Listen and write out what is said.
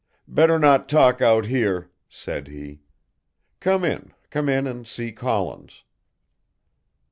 "Better not talk out here," said he, "come in, come in and see Collins."